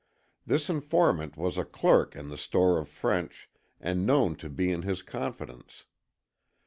This informant was a clerk in the store of French and known to be in his confidence.